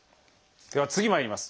では次まいります。